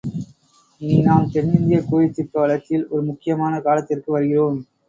இனி நாம் தென்னிந்திய கோயிற் சிற்ப வளர்ச்சியில் ஒரு முக்கியமான காலத்திற்கு வருகிறோம்.